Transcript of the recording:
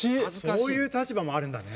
そういう立場もあるんだね。